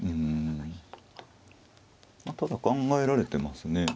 ただ考えられてますね。